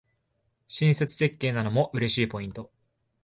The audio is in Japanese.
親切設計なのも嬉しいポイント